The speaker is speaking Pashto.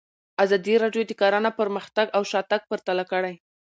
ازادي راډیو د کرهنه پرمختګ او شاتګ پرتله کړی.